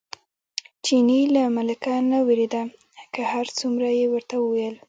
چیني له ملکه نه وېرېده، که هر څومره یې ورته وویل.